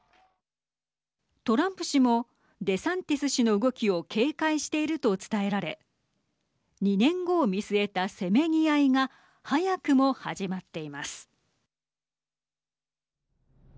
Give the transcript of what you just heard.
トランプ氏もデサンティス氏の動きを警戒していると伝えられ２年後を見据えたせめぎ合いが早くも始まっています。